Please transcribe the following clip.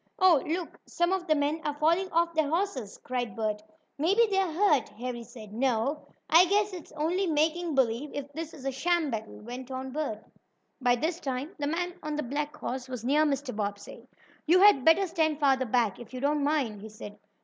"Oh, look, some of the men are falling off their horses!" cried Bert "Maybe they are hurt," Harry said. "No, I guess it's only making believe, if this is a sham battle," went on Bert. By this time the man on the black horse was near Mr. Bobbsey. "You had better stand farther back, if you don't mind," he said.